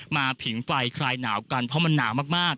ผิงไฟคลายหนาวกันเพราะมันหนาวมาก